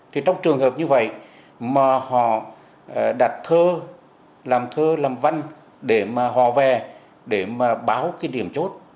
thì trong trường hợp như vậy mà họ đặt thơ làm thơ làm văn để mà họ về để mà báo cái điểm chốt